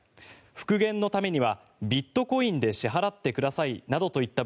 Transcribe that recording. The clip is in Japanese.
復元のためにはビットコインで支払ってくださいなどといった